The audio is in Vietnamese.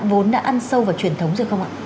vốn đã ăn sâu vào truyền thống rồi không ạ